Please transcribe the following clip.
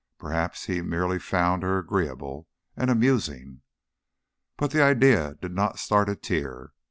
Perhaps he merely found her agreeable and amusing. But the idea did not start a tear.